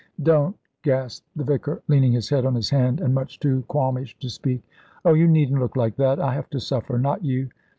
"Don't!" gasped the vicar, leaning his head on his hand, and much too qualmish to speak. "Oh, you needn't look like that. I have to suffer, not you.